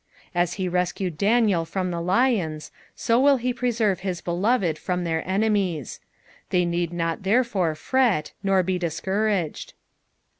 As he rescued Daniel from the lions, so will he preserve his beloved from their enemies ; they need not therefore fret, nor be discouraged.